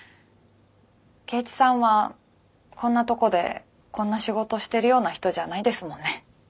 圭一さんはこんなとこでこんな仕事してるような人じゃないですもんね。